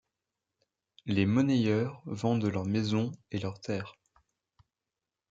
Les Monnayeurs vendent leur maison et leurs terres.